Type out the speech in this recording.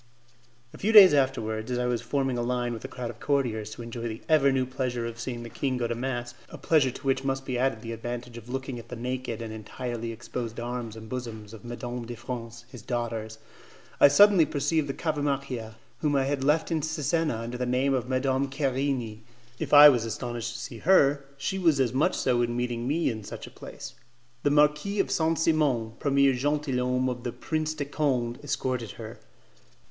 A few days afterwards, as I was forming a line with a crowd of courtiers to enjoy the ever new pleasure of seeing the king go to mass, a pleasure to which must be added the advantage of looking at the naked and entirely exposed arms and bosoms of Mesdames de France, his daughters, I suddenly perceived the Cavamacchia, whom I had left in Cesena under the name of Madame Querini. If I was astonished to see her, she was as much so in meeting me in such a place. The Marquis of Saint Simon, premier 'gentilhomme' of the Prince de Conde, escorted her.